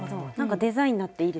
デザインになっていいですね。